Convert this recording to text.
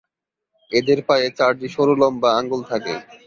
এদের পায়ে চারটি সরু লম্বা আঙুল থাকে।